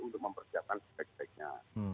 untuk mempersiapkan spek speknya